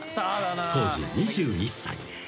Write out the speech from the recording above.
当時２１歳］